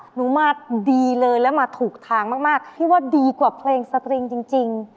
หนูมาดีเลยแล้วมาถูกทางมากพี่ว่าดีกว่าเพลงสตริงจริง